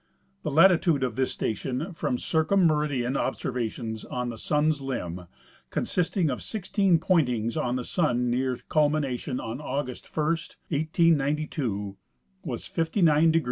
The latitude of this station from circum meridian observations on the sun's limb, consisting of sixteen pointings on the sun near culmination on August 1, 1892, was 59° 33' 51.